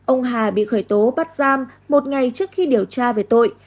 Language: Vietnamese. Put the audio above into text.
ông hà bị khởi tố bắt giam một ngày trước khi điều tra về tội